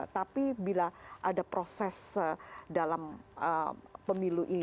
tapi bila ada proses dalam pemilu ini